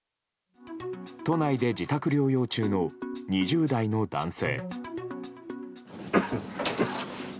都内で自宅療養中の２０代の男性。